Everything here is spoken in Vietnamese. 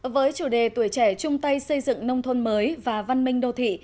với chủ đề tuổi trẻ chung tay xây dựng nông thôn mới và văn minh đô thị